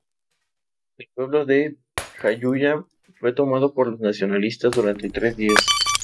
El pueblo de Jayuya fue tomado por los nacionalistas durante tres días.